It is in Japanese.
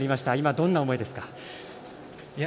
どんな思いですか。